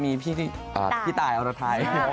มีพี่ตายอรไทย